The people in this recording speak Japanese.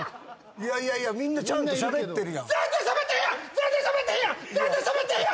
いやいやいやちゃんとしゃべってるよ。